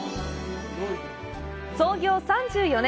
創業３４年。